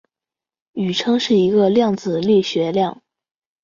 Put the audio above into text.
宇称是一个量子力学量。